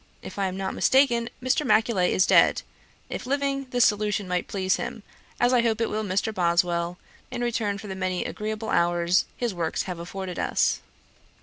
If I am not mistaken, Mr. Macaulay is dead; if living, this solution might please him, as I hope it will Mr. Boswell, in return for the many agreeable hours his works have afforded us.'